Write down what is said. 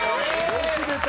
よく出た。